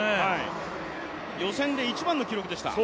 予選で一番の記録でした。